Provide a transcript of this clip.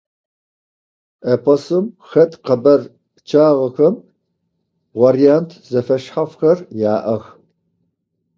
Эпосым хэт къэбар пчъагъэхэм вариант зэфэшъхьафхэр яӏэх.